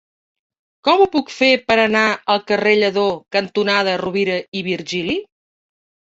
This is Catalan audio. Com ho puc fer per anar al carrer Lledó cantonada Rovira i Virgili?